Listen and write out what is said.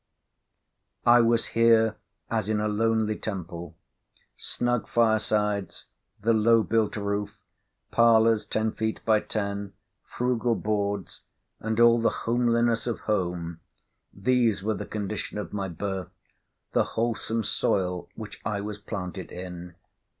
I was here as in a lonely temple. Snug firesides—the low built roof—parlours ten feet by ten—frugal boards, and all the homeliness of home—these were the condition of my birth—the wholesome soil which I was planted in.